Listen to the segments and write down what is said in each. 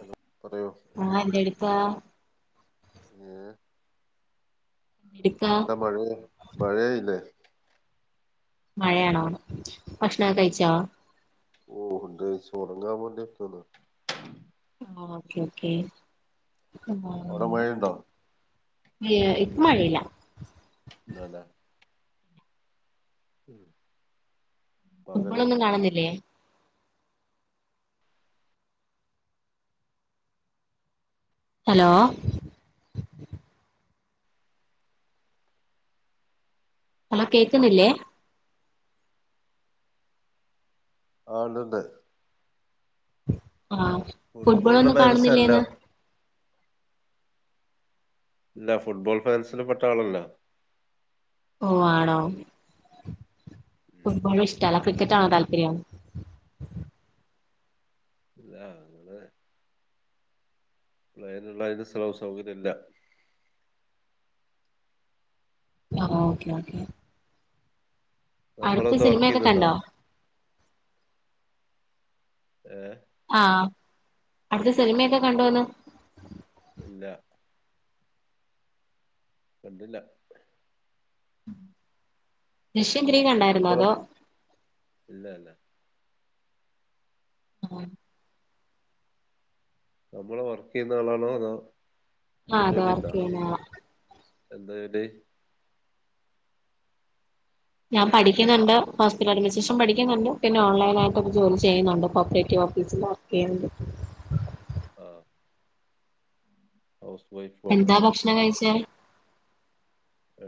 Hello പറയൂ ആന്റെടുത്താ ഏ എന്തെടുക്കാ നല്ല മഴയ് മഴായിലെ. മഴയാണോ. ഭക്ഷണൊക്കെ കഴിച്ചൊ? ഓണ്ട്. സൊറങ്ങാവേണ്ടിക്കാണ്. ആ ഒക്കെ ഒക്കെ. അവിടെ മഴയുണ്ടോ ഈ ഇപ്പമഴല്ല. [unintelligible] മ് ഫുട്ബോളൊന്നും കാണുന്നില്ലേ? ഹലോ ഹലോ കേക്കുന്നില്ലേ? ആ ണ്ട്ണ്ട്. ആ ഫുട്ബോളിന്റെ ഫുട്ബോളൊന്നും ഫാൻസ് അല്ല കാണുന്നില്ലേന്ന്. ഇല്ല ഫുട്ബോൾ ഫാൻസിൽ പെട്ട ആളല്ല. ഓ ആണോ. ഫുട്ബോൾ ഇഷ്ട അല്ല ക്രിക്കറ്റാണോ താല്പര്യം. ഇല്ല അങ്ങനെ അതിനുള്ള അതിന്റെ സ്ഥലവും സൗകര്യ ഇല്ല. ആ ഓക്കെ ഓക്കെ. അടുത്ത് നമ്മളെന്താ വർക്ക് സിനിമയൊക്കെ ചെയ്യുന്നുണ്ടോ കണ്ടോ ഏ ആഹ അടുത്ത സിനിമയൊക്കെ കണ്ടോന്നു. ഇല്ല. കണ്ടില്ല. ദൃശ്യം ത്രീ കണ്ടായിരുന്നോ, നമ്മള് അതോ ഇല്ല ഇല്ല ആഹ നമ്മള വർക്ക് ചെയ്യുന്ന ആളാണോ അതോ എന്താ ആഹ അത ജോലി ഉണ്ടോ വർക്കേയുന്നാളാ. [unintelligible] ഞാൻ പഠിക്കുണ് ണ്ട്. ഹോസ്പിറ്റലഡ്മിനിസ്ട്രേഷൻ പഠിക്കുന്നുണ്ട്. പിന്നെ ഓൺലൈനായിട്ടു ഒരു ജോലി ചെയ്യുന്നുണ്ട് കോഓപ്പറേറ്റീവോ ഫീസില് വർക്കെയണ്ട്. ആ ഓ എന്താ ഭക്ഷണം കഴിച്ചേ. ഏ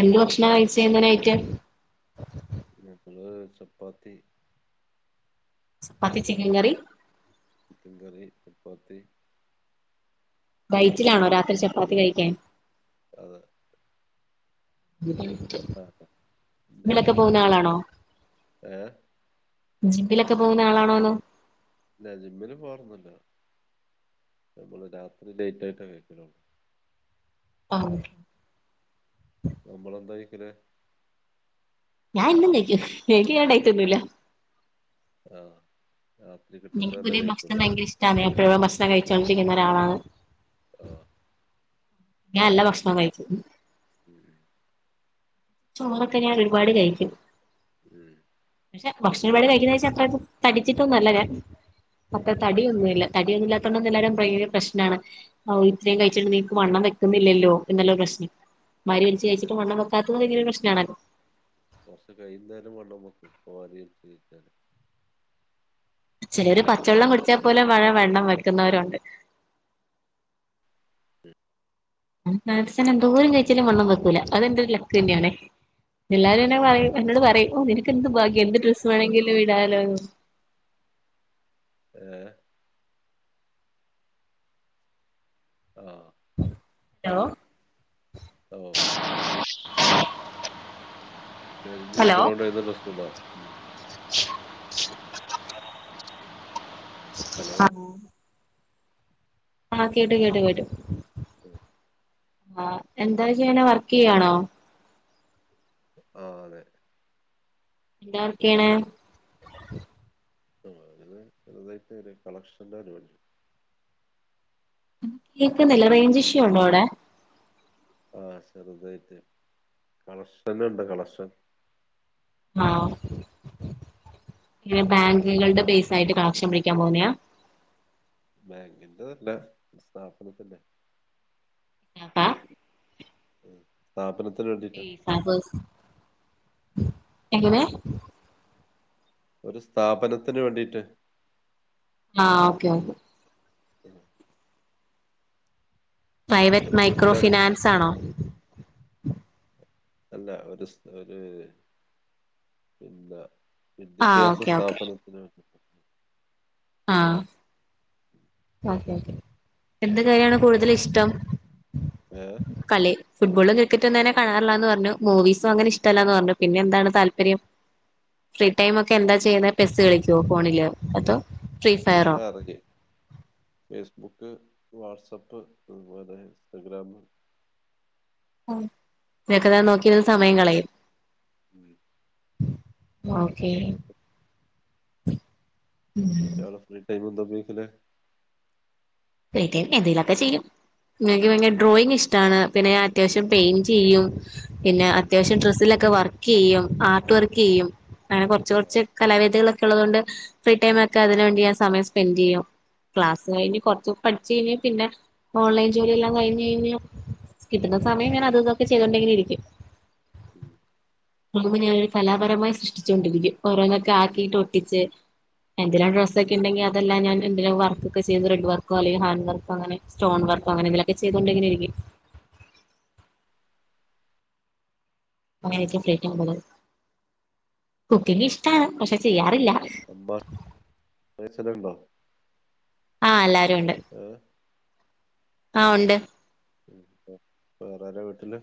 എന്ത് ഭക്ഷണം കഴിച്ചേ എന്തനായിട്ട് എപ്പ ചപ്പാത്തി പത്തി ചിക്കൻ എലക്ക് കറി. ചിക്കൻ കറി ചപ്പാത്തി ഇതെല്ലാം ഡയറ്റിലാണോ തന്നെ രാത്രി ചപ്പാത്തി കഴിക്കാൻ. അതെ ജിമ്മിലൊക്കെ നൈറ്റ് പോവുന്നാളാണോ. ഏ ജിപ്പിലൊക്കെ പോകുന്ന ആളാണോന്നോ ഇല്ല ജിമ്മില് പോറന്നില്ലോ അപ്പോ രാത്രി ലേറ്റെയിട്ടാണ് വരൂത്തൊള്ളൂ ആ [inaudible] ഞാൻ ഇന്ന നക്കു നക്ക് കണ്ടായിത്തൊന്നുമല്ല ആ രാത്രി എനിക്ക് കിട്ടുന്നതന്നെ പുതിയ ഭക്ഷണം കഴിക്കൂലേ ഭയങ്കര ഇഷ്ടമാണ് എപ്പോഴും ഭക്ഷണം കഴിച്ചൊണ്ടിരിക്കുന്ന ഒരാളാണ് ആ ഉ ഞൻഎല്ല ഭക്ഷണം ഉം കഴിച്ചു ഉം ചുറൊക്കെ ഞാൻ ഒരുപാട് കഴിക്കും ഉം ഭക്ഷണം പടി കഴിക്കുന്നച്ചാ അത്ര തടിച്ചിട്ടൊന്ന നല്ലരാ അത്ര ഉം തടിയൊന്നുംല്ല തടിയൊന്നുമല്ലാത്തൊണ്ട് എല്ലാവരും ഭയങ്ക പ്രശ്നമാണ് ഇത്രയും കഴിച്ചിട്ട് നീക്ക് വണ്ണം വെക്കുന്നില്ലല്ലോ എന്നല്ലൊ പ്രശ്നം വാരി വലിച്ച് പക്ഷെ കഴിച്ചിട്ട് വണ്ണം വെക്കാത്തത് ഭങ്കരു പ്രശ്ന ആണല്ലോ കുറച്ച കൈയിന്നേരം വണ്ണം വെയ്ക്കും ഇപ്പ ആരം ചെയ്ട്ടല് ചില ഒരു പച്ചവെള്ളം കുടിച്ചാൽ പോലെ വലിയ വെണ്ണം വെക്കുന്നവരുണ്ട് സാന എന്തോരം കഴിച്ചാലും വണ്ണം വെക്കൂല അതെന്റെ ഒരു ലക്ക് തന്നെയണ എല്ലാരും എന്നെ പറയും എന്നോട് പറയും ഓ നിനക്ക്ന്ത് ആ ഭാഗ്യ എന്ത് ഡ്രസ്സ് വേണമെങ്കിലും വിടാലോന്ന് ഏ ആ ഹലോ ഓ [unintelligible] ശ് ശ് ഹലോ ആഹ് കേട്ട് കേട്ട് കേട്ടു ഉം ആഹ് എന്താ ചെയ്യണെ വർക്ക് ചെയ്യാണോ? ആ അതെ എന്താ വർക്ക് ചെയ്ണ്? ആ ചെറുതായിട്ട് ഒരു കളക്ഷന്റെ പരിവാടി. ഉം കേക്കുന്നില്ല റേഞ്ച് ഇഷ്യു ഉണ്ടോ അവിടെ. ആഹ് ചെറുതായിട്ട് കളഷനുണ്ട് കളഷൻ. ആഹ് ഈ ബാങ്കുകളുടെ പേസായിട്ട് കളക്ഷൻ പിടിക്കാൻ പോവുന്നയാ. ബാങ്കിന്റെതല്ല സ്ഥാപനത്തിന്റെ. ഏ പ്പ പാപ്പൽ. [unintelligible] എങ്ങനെ. ഒരു സ്ഥാപനത്തിന് വേണ്ടീട്ട്. ആഹ് ഓക്കെ ഓക്കെ [inaudible] പ്രൈവറ്റ് അയാളെ മൈക്രോ വീട്ടിലാര് ഫിനാൻസ് ആണോ അല്ല ഒരു സ ഒരു പിന്നെ. ആഹ് വിദ്യാഭ്യാസ ഓക്കെ ഓക്കെ സ്ഥാപനത്തിന് വേ ആഹ് ഒക്കെ ഒക്കെ എന്ത് കാര്യാണ് കൂടുതൽ ഇഷ്ടം കളി. ഫുട്ബോളും ക്രിക്കറ്റ് ഒന്നും തന്നെ കാണാറില്ലന്ന് പറഞ്ഞു മൂവീസും അങ്ങനെ ഇഷ്ടമല്ലാന്ന് പറഞ്ഞു പിന്നെ എന്താണ് താല്പര്യം. ഫ്രീ ടൈമ് ഒക്കെ എന്താ ചെയ്യുന്നത് ചെസ്സ് കളിക്ക ക്കോ ഫോണില് അതോ ഫ്രീ ഫയറോ? അറിയ ഫേസ്ബുക്ക് വാട്സപ്പ് അതുപോലെ ഇൻസ്റ്റഗ്രാം. തോക്കെ ആ, നോക്കിയിരുന്ന്‌ സമയം കളയും. ഉം. ഓക്കെ. അതൊക്കെ ഇയാൾ ഫ്രീ ടൈം എന്താ ഉപയോഗിക്കുന്നെ ഇതന്നെ എന്തെങ്കിലൊക്കെ ചെയ്യും. എനിക്ക് പിന്നെ ഡ്രോയിങ്ങ് ഇഷ്ടവാണ് പിന്നെ അത്യാവശ്യം പെയിന്റ് ചെയ്യും. പിന്നെ ഉം. അത്യാവശ്യം ഡ്രസ്സിലൊക്കെ വർക്ക് ചെയ്യും ആർട്ട് വർക്ക് ചെയ്യും. അങ്ങനെ കുറച്ച് ആ, കുറച്ച് കലാവേദികളൊക്കെ ഉള്ളത് കൊണ്ട് ഫ്രീ ടൈം ഒക്കെ അതിന് വേണ്ടി ഞാൻ സമയം സ്പെൻഡ് ചെയ്യും. ക്ലാസ് ഉം, കിഞ്ഞ്കൊറച്ച് പഠിച്ച് കഴിഞ്ഞ് പിന്നെ ഓൺലൈൻ ജോലിയെല്ലാം കഴിഞ്ഞു കഴിഞ്ഞ് കിട്ടുന്ന സമയം ങ്ങനെ അത് ഇത് ഇതൊക്കെ ചെയ്‌തോണ്ട്ഇങ്ങനെ ഇരിക്കും. ഉം മുമ്പ് ഞാനൊരു കലാപരമായി സൃഷ്ടിച്ചുകൊണ്ടിരിക്കും ഓരോന്നൊക്കെ ആക്കിട്ട് ഒട്ടിച്ച്. എന്തെങ്കിലും ഉം. ഡ്രസ്ഒക്കെ ഉണ്ടെങ്കിൽ അതെല്ലാം ഞാൻ എന്തേലും വർക്ക് ഒക്കെ ചെയ്ത് റെഡ് വർക്ക് [unintelligible] അല്ലെങ്കിൽ ഹാൻഡ് വർക്കോ അങ്ങനെ സ്റ്റോൺ വർക്കോ അങ്ങനെ എന്തേലൊക്കെ ചെയ്തോണ്ട് ഇങ്ങനെ ഇരിക്കും. [inaudible] [unintelligible] കുക്കിംങ് ഇഷ്ടാണ് പക്ഷെ ചെയ്യാറില്ല. അമ്മ ചെലവുണ്ടോ? ആഹ് എല്ലാരും ഉണ്ട് ആ ഉണ്ട്. വേ വേറാരാ വീട്ടില്.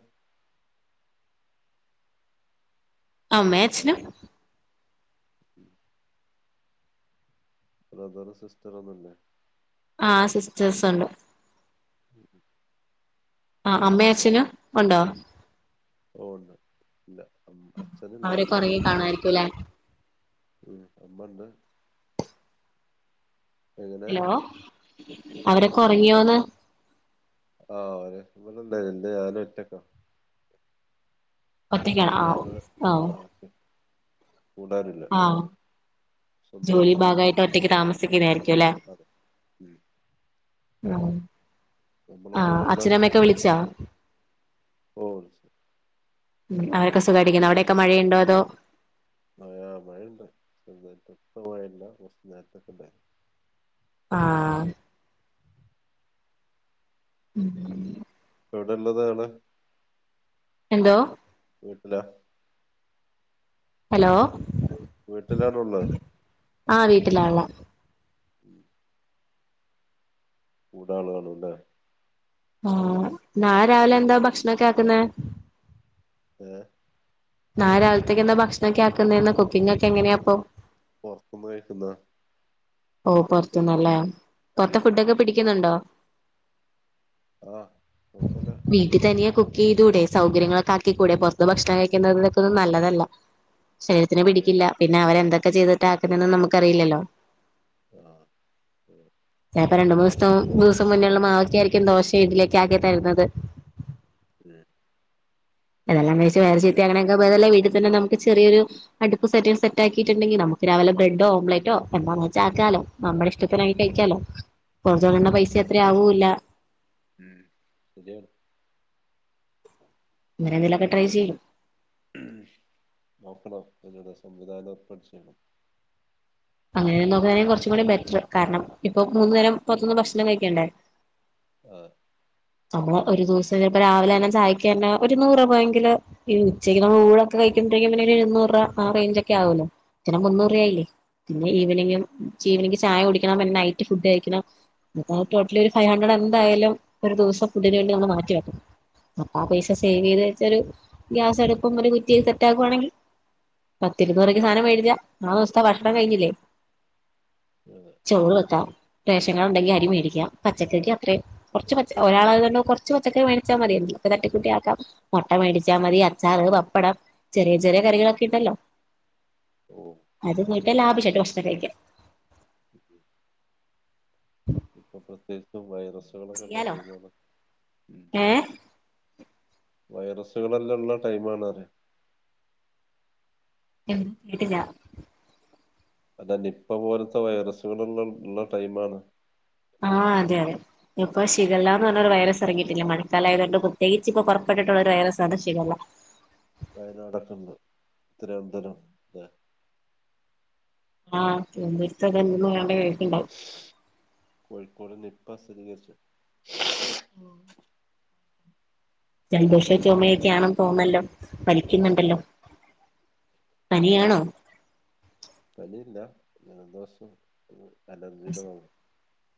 അമ്മയും അച്ഛനും. [inaudible] ബ്രദറും സിസ്റ്ററും ഒന്നുംല്ലേ ആഹ് സിസ്റ്റേഴസ്ണ്ട് ഉം ആ അമ്മേം അച്ഛനും ഉണ്ടോ ഓ ണ്ട് ഇല്ല അച്ഛനില്ല അവരൊക്കെ അമ്മ ഒറങ്ങി അമ്മണ്ട് കാണുവായിരിക്കുംല്ലേ ഉം അമ്മണ്ട് എങ്ങനെ ഹലോ അവരൊക്കെ ഉറങ്ങിയോന്ന് ആര് എന്താ എ ഞാന് ഒറ്റക്ക ഒറ്റക്കാണോ ആ ആ കൂടെ ആരുമില്ല ആഹ് ഇവിടെ ജോലി സ്വന്തമായിട്ട് ഭാഗമായിട്ട് ഒറ്റയ്ക്ക് താമസിക്കുന്നായിും ക്കും ലേ അതെ ഉം. നമ്മളിപ്പോ ആഹ് ഇവിടെയുള്ള അച്ഛനമ്മയൊക്കെ വിളിച്ചാ ഓ ശരി ഉം അവരൊക്കെ സുഖായിട്ടിരിക്കുന്നു അവിടെ മഴ മഴയുണ്ട് പ്പോൾ മഴയില്ല കൊറച്ച് നേരത്തെ ഉണ്ടായിനി ആഹ് ഉം എവിടെള്ളതാണ് എന്തോ വീട്ടില ഹലോ വീട്ടിലാര ഉള്ളേ ആഹ് വീട്ടിലാണ് ഉം മൂന്നാള് കള്ല്ലേ ആന് നാളെ രാവിലെ എന്താ ഭക്ഷണമക്കെ ആക്കുന്ന ഏ നാളെ രാവിലത്തേക്ക് എന്താ ഭക്ഷണൊക്കെ ആക്കുന്നാ കുക്കിംഗ് ഒക്കെ എങ്ങനെയാ അപ്പൊ പുറത്തുനിന്ന് കഴിക്കുന്നാ ഓ പൊറത്തുന്നല്ലേ പൊറത്തെ ഫുഡൊക്കെ പിടിക്കുന്നുണ്ടോ ആ കുഴപ്പമില്ല വീട്ടിൽ തനിയാ കു കൂടെ സൗകര്യങ്ങളൊക്കെ ആക്കി കൂടെ പുറത്ത് ഭക്ഷണം കഴിക്കുന്നൊക്കൊന്നും നല്ലതല്ല ശരീരത്തിനന് ശരിയാ പിടിക്കില്ല പിന്നെ അവരെന്തൊക്കെ ചെയ്തിട്ട ആക്കുന്നന്ന് നമുക്ക്റിയില്ലല്ലോ ആഹ് ഉം ഇപ്പൊ രണ്ട് മൂന്ന് ദിവസം ദിവസം മുന്നുള്ള മാവൊക്കെ ആയിരിക്കും ദോഷം ഇസലായൊക്കെ ആക്കി തരുന്നത് ഉം അതല്ലാം കഴിച്ച് വയറ് ശരിയാണ് ചീത്തയാക്കുന്നേക്കാൾ ഭേദല്ലേ വീട്ടി എ നമുക്ക് ചെറിയൊരു അടുപ്പ് സെറ്റ സെറ്റാക്കിയിട്ടുണ്ടെിൽ നമുക്ക് രാവിലെ ബ്രെഡ് ഓംലെറ്റോ എന്താ വെച്ചാ നമ്മള് ഇഷ്ടത്തിനായി ഓ കഴിക്കാലോ പൊറത്താവുന്ന വൈസ അത്ര ആവൂല്ല ഉം ശരിയാണ് അങ്ങനെ എങ്കിലൊക്കെ ട്രൈ ചെയ്യും നോക്കണം അതിനുള്ള സംവിധാനം ഏർപ്പാടു ചെയ്യണം അങ്ങനെ നോക്കുന്ന കുറച്ചും കൂടി ബെറ്റർ കാരണം ഇപ്പൊ മൂന്നു നേരം പൊറത്തുനിന്ന് ഭക്ഷണം കഴിക്കണ്ടേ ആഹ് നമ്മള് ഒരു ദിവസം ചെലപ്പോ രാവിലെ തന്നെ ചായക്കെ ഒരു നൂറ് പോയെങ്കില് ഈ ഉച്ചയ്ക്ക്മ്മള് ഊന്നൊക്കെ കഴി [unintelligible] ഇരുന്നൂറു രൂപ ആ റേഞ്ച് ഒക്കെ ആവല്ലോ ഇെ മുന്നൂറ് രൂപായില്ലേ പിന്നെ ഈവനിങ് ഈവനിങ് ചായ കുടിക്കണം പിന്നെ നൈറ്റ് ഫുഡ് കഴിക്കണം ഉം, ടോട്ടലി ഒരു ഫൈവ് ഹൺണ്ട്രഡ് ആ, എന്തായാലും ഒരു ഉം, ദിവസം ഫുഡിന് വേണ്ടി നമ്മൾ മാറ്റി വെക്കണംപ്പ ആ പൈസ പെ സേവ് ചെയ്ത് വെച്ച് ഒരു ഒക്കെ. ഗ്യാസ് എടുക്കുമ്പ ഒരു കുറ്റി സെറ്റാക്കുവാണെങ്കിൽ [unintelligible] സാനം വേടിച്ചാ ഉം, ആ ദിവസത്തെ ഭക്ഷണം കഴിഞ്ഞില്ലേ ആ, ചോറ് ഉം. വയ്ക്കാം റേഷൻ കാർഡ് ഉണ്ടേങ്കി അരി മേടിക്കാം പച്ചക്കറിക്ക് അത്രേം കൊർച്ച് പ ഒരാളത്ണ്ട കൊർച്ച് പച്ചക്കറി വാങ്ങിച്ചാ മതി തട്ടികൂട്ടി ആക്കാം മുട്ട മേടിച്ചാൽ മതി അച്ചാറ് പപ്പടം ചെറിയ ചെറിയ കറികളൊക്കെ ഇണ്ടല്ലോ ഓ എ ലാഭിഷായിട്ട് ഭക്ഷണംകയിക [unintelligible] [inaudible] ഇപ്പൊ പ്രത്യേകിച്ചു വൈറസുകളൊക്കെ ഉള്ള ചെയ്യാലോ ടൈമാണ് ഏഹ് വൈറസുകളല്ലാം ഉള്ള ടൈം ആണ് പറയ എന്ത് കേട്ടില്ല അതനിപ്പ പോലത്തെ വൈറസുകളുള്ള ഉള്ള ടൈ മ് ആണ് ആഹ അതെ അതെ ഇപ്പ ഉം. ശിഗല്ലന്ന് പറഞ്ഞരു വൈറസ് ഇറങ്ങിട്ടീല്ലെ [unintelligible] ഇപ്പൊ പുറപ്പെട്ടിട്ടുള്ള ഒരു വൈറസ് അത് ശിഗല്ല വയനാടൊക്കെ ഉണ്ട് തിര്വനന്തപുരം ലെ ആഹ് [unintelligible] കോഴിക്കോട് നിപ്പ സ്ഥിരീകരിച്ചു [inaudible] ജലദോശവും ഉം, ചുമയൊക്കെയാണെന്ന് തോന്നുന്നല്ലോ വലിക്കുന്ന്ണ്ടല്ലോ അതെ. ആ പനിയാണോ ജല ദോഷം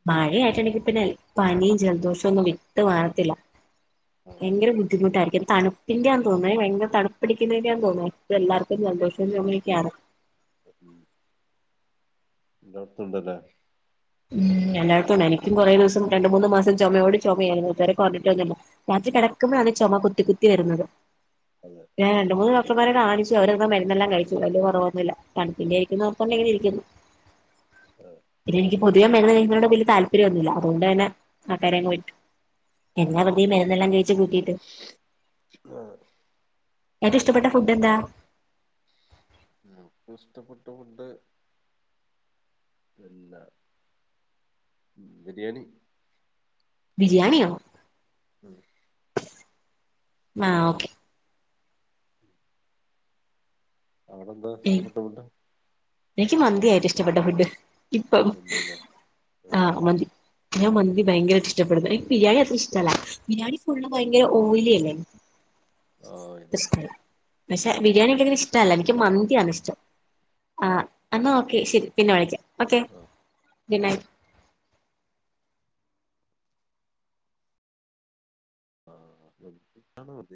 മഴ ആയിട്ട്ണ്ടെങ്കി പിന്നെ പനീം ജലദോഷൊന്നും വിട്ട് മാറത്തില്ല ആ ഭയങ്കര ബുദ്ധിമുട്ടായിരിക്കും തണുപ്പിന്റെയാ തോന്നു ഭയങ്കര തണുപ്പ് ആ, ൻ്റേയതോന്നണു ഇപ്പ എല്ലാർക്കും ജലദോശും ആ ചൊമയൊക്ക്യാണ് എല്ലാട്ത്തുണ്ടല്ലേ ഉം എല്ലായിടത്തും ഉണ്ട് എനിക്കും കുറെ ദിവസം രണ്ട് മൂന്ന് മാസം ചൊമയോട് ചൊമയായിരുന്നു ഇത് വരെ കൊറഞ്ഞിട്ടൊന്നുല്ല രാത്രി കെടക്കുമ്പഴാണ് ചുമ കുത്തി കുത്തി വരുന്നത് അതെ ഞാൻ രണ്ട് ഉം മൂന്ന് ഡോക്ടർ മാരെ കാണിച്ചു അവരന്ന മരുന്നെല്ലാം കഴിച്ചു വലിയ കുറവൊന്നുല്ല തണുപ്പിൻ്റേർക്കും എന്നോർത്തോണ്ടങ്ങനെ ഇരിയ്ക്കുന്നു അതെ പിന്നെ എനിക്ക് പോതുവേ മരുന്ന് കഴിക്കണതിനോട് വലിയ താല്പര്യൊന്നുല്ല അതുകൊണ്ട് തന്നെ [unintelligible] ഉം എന്നാ ഉം [unintelligible] മരുന്നെല്ലാം കഴിച്ചു കൂട്ടീട്ട് അതെ എറ്റും ഇഷ്ടപ്പെട്ട ഫുഡ് എന്താ നമക്ക് ഇഷ്ടപ്പെട്ട ഫുഡ് പിന്ന ബിരിയാണി ബിരിയാണിയോ ഉം ആ ഓക്കെ അവിടെ എന്താ ഇഷ്ട്ടപ്പെട്ട ഫുഡ് എനിക്ക് മന്തിയാ ഏറ്റും ഇഷ്ട്ടപ്പെട്ട ഫുഡ് ഇപ്പം മന്തില്ലേ ആ മന്തി ഞാൻ മന്തി ഭയങ്കര ഇഷ്ടപ്പെടുന്ന് എനിക്ക് ബിരിയാണി അത്ര ഇഷ്ടല്ല ബിരിയാണി ഫുള്ള് ഭയങ്കര ഓയിലിയല്ലേ [inaudible] ആഹ് ഷ്ടല്ല പക്ഷെ ബിരിയാണിയങ്ങനെ ഇഷ്ടല്ല എനിക്ക് മന്തിയാണ് ഇഷ്ടം ആഹ് എന്നാ ഓക്കെ ശരി പിന്നെ വിളിക്കാം ഓക്കെ ഗുഡ് നൈറ്റ് ആ [inaudible]